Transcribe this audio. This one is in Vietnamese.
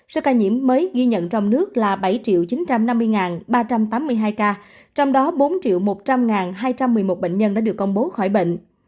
số ca nhiễm mới ghi nhận trong nước là bảy chín trăm năm mươi ba trăm tám mươi hai ca trong đó bốn một trăm linh hai trăm một mươi một bệnh nhân đã được công bố khỏi bệnh